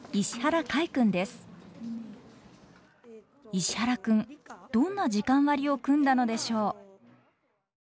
石原君どんな時間割りを組んだのでしょう？